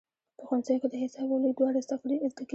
په ښوونځیو کې د حساب او لیک دواړه زده کېدل.